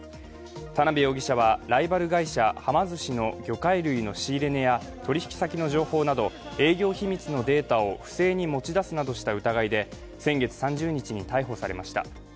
田辺容疑者は、ライバル会社はま寿司の魚介類の仕入れ値や取引先の情報など営業秘密のデータを不正に持ち出すなどした疑いで先月３０日に逮捕されました。